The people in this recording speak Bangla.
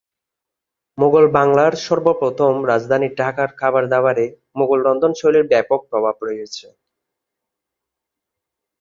মুঘল বাংলার সর্বপ্রথম রাজধানী ঢাকার খাবার-দাবারে মুঘল রন্ধনশৈলীর ব্যাপক প্রভাব রয়েছে।